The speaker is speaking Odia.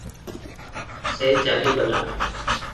ସେ ଚାଲିଗଲା ।